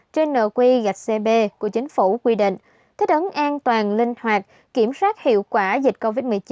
trên nq gạch cb của chính phủ quy định thích ấn an toàn linh hoạt kiểm soát hiệu quả dịch covid một mươi chín